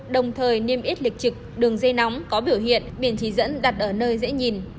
đồng thời niêm yết lịch trực đường dây nóng có biểu hiện biển chỉ dẫn đặt ở nơi dễ nhìn